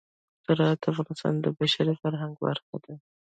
زراعت د افغانستان د بشري فرهنګ برخه ده.